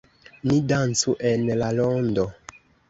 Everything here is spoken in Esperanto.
Ni dancu en la rondo.